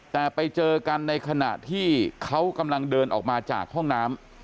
แต่ไปเจอกันในขณะที่เขากำลังเดินออกมาจากห้องน้ำ